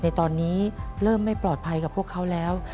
ในตอนนี้เริ่มไม่ปลอดภัยกับพวกเขาแล้ว